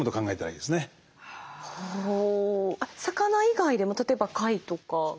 魚以外でも例えば貝とか？